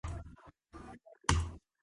მდებარეობს ლოქის ქედის ჩრდილოეთ მთისწინეთში.